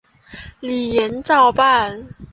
李俨照办。